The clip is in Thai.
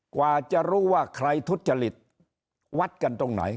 กว่าจะรู้ว่าใครทุจริตวัดกันตรงไหน